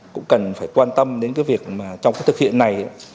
cũng cần phải quan tâm đến cái việc mà trong cái thực hiện này